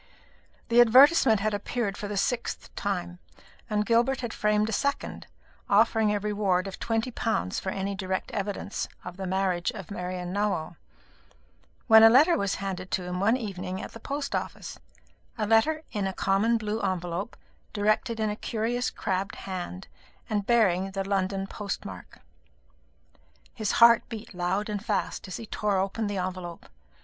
The advertisement had appeared for the sixth time, and Gilbert had framed a second, offering a reward of twenty pounds for any direct evidence of the marriage of Marian Nowell; when a letter was handed to him one evening at the post office a letter in a common blue envelope, directed in a curious crabbed hand, and bearing the London post mark. His heart beat loud and fast as he tore open this envelope.